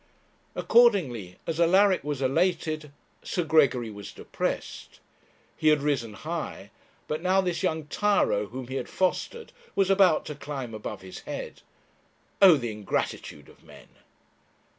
Accordingly as Alaric was elated, Sir Gregory was depressed. He had risen high, but now this young tyro whom he had fostered was about to climb above his head. O the ingratitude of men!